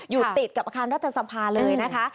อยู่ติดกับอาคารรัฐสภาเลยนะคะ